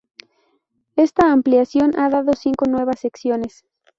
Esta ampliación ha dado cinco nuevas secciones.